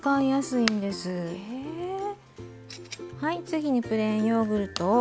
次にプレーンヨーグルトを。